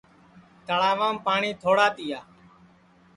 تݪاوام پاٹؔی تھوڑا تِیا